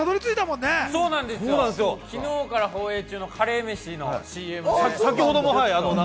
昨日から放映中のカレーメシのＣＭで。